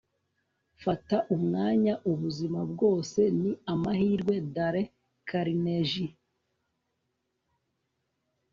fata umwanya! ubuzima bwose ni amahirwe. - dale carnegie